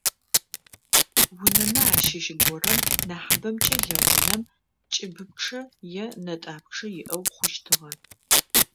Унэмэ ащыщ горэм, нахьыбэмкӏэ лэгъунэм, кӏыбыпчъэ е нэтӏапчъэ иӏэу хъущтыгъэ.